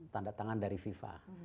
tanda tangan dari viva